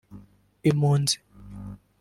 impunzi